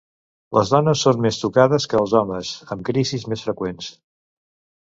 Les dones són més tocades que els homes amb crisis més freqüents.